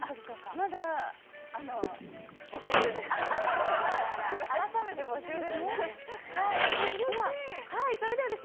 まだ募集中です。